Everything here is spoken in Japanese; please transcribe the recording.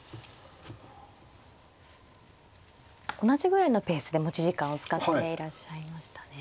同じぐらいのペースで持ち時間を使っていらっしゃいましたね。